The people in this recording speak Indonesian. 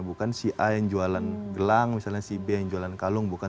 bukan si a yang jualan gelang misalnya si b yang jualan kalung bukan